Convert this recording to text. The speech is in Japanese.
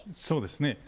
そうですね。